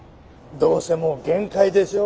どうせもう限界でしょう。